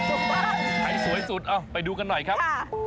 ถ่ายสวยสุดไปดูกันหน่อยครับ